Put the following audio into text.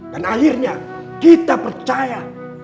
dan akhirnya kita percaya